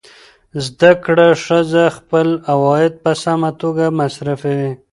زده کړه ښځه خپل عواید په سمه توګه مصرفوي.